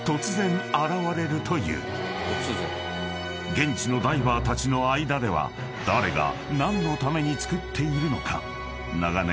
［現地のダイバーたちの間では誰が何のために作っているのか長年］